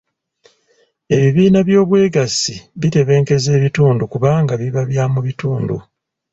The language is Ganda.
Ebibiina by'obwegassi bitebenkeza ebitundu kubanga biba bya mu bitundu.